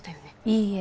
いいえ